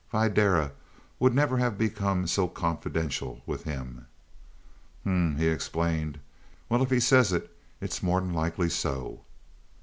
Videra would never have become so confidential with him. "Huh!" he exclaimed. "Well, if he says it it's more'n likely so."